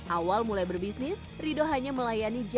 awal mulai berbisnis rido hanya melakukan perusahaan yang berbeda